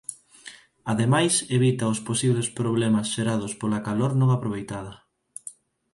Ademais evita os posibles problemas xerados pola calor non aproveitada.